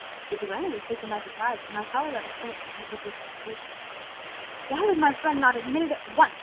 The duenna was taken by surprise, and Alcala read assent in her look of confusion. "Why was my friend not admitted at once?"